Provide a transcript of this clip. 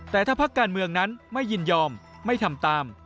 แต่ถ้าพักการเมืองนั้นไม่ยินยอมไม่ทำตาม